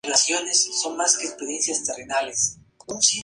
Él mismo las refiere como una mezcla "de utopía, surrealismo y gran ambición".